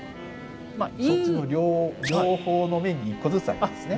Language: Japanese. そっちの両方の面に１個ずつありますね。